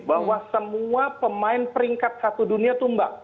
bahwa semua pemain peringkat satu dunia tumbang